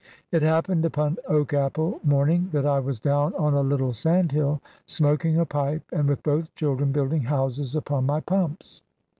It happened upon Oak apple morning that I was down on a little sandhill, smoking a pipe, and with both children building houses upon my pumps.